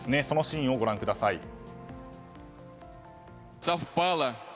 そのシーンをご覧ください。